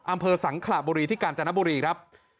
อำเภอสังขระบุรีที่กาญจนบุรีครับ